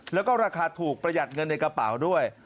แล้วก็ราคาถูกประหยัดเงินในกระเป๋าด้วย